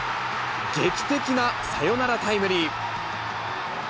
劇的なサヨナラタイムリー。